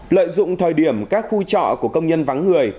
lợi dụng thời điểm các khu trọ của công nhân vắng người